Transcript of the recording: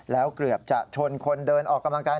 แล้วเกือบจะชนคนเดินออกกำลังกาย